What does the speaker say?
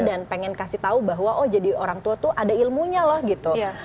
dan pengen kasih tahu bahwa oh jadi orang tua tuh ada ilmunya loh gitu